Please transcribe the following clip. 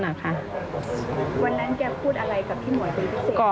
วันนั้นแกพูดอะไรกับพี่หมวยเป็นพิเศษ